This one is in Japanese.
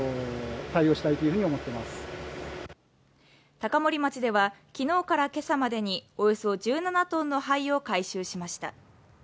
高森町では、昨日から今朝までにおよそ１７トンの灰を回収しました。